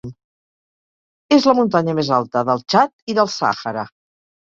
És la muntanya més alta del Txad i del Sàhara.